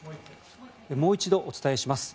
もう一度お伝えします。